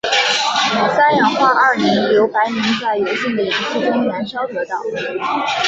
三氧化二磷由白磷在有限的氧气中燃烧得到。